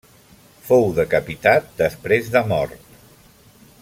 Fou decapitat després de mort.